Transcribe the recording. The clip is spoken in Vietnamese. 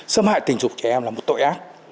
xâm hại tình dục trẻ em là một tội ác